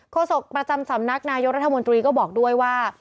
โศกประจำสำนักนายกรัฐมนตรีก็บอกด้วยว่า